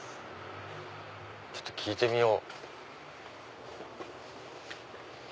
ちょっと聞いてみよう。